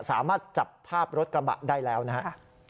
สามารถจับภาพรถกระบะได้แล้วนะครับ